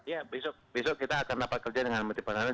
ya besok kita akan rapat kerja dengan menteri pertahanan